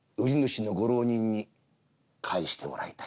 そのご浪人に返してもらいたい」。